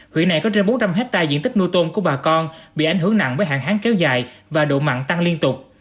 huyện này có trên bốn trăm linh hectare diện tích nuôi tôm của bà con bị ảnh hưởng nặng với hạn hán kéo dài và độ mặn tăng liên tục